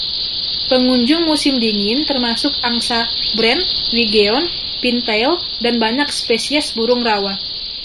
Pengunjung musim dingin termasuk angsa brent, wigeon, pintail dan banyak spesies burung rawa.